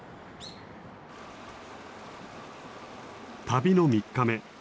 旅の３日目。